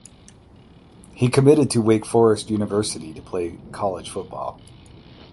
He committed to Wake Forest University to play college football.